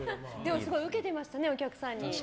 ウケてましたね、お客さんに。